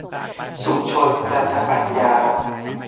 สุชล จันปัญญา